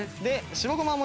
白ごまだ。